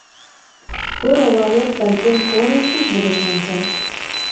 بۇ رىۋايەت بەلكىم ئورۇنسىز بولۇشى مۇمكىن.